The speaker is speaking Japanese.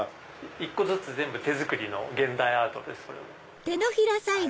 １個ずつ手作りの現代アートですそれも。